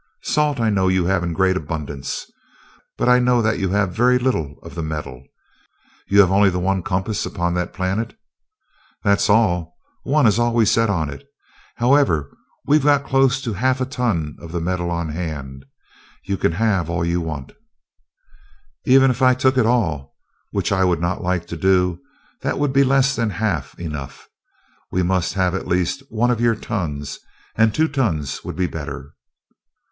Salt I know you have in great abundance, but I know that you have very little of the metal. You have only the one compass upon that planet?" "That's all one is all we set on it. However, we've got close to half a ton of the metal on hand you can have all you want." "Even if I took it all, which I would not like to do, that would be less than half enough. We must have at least one of your tons, and two tons would be better."